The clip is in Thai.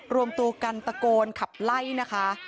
รวมตัวกันตะโกนขับไล่นะคะ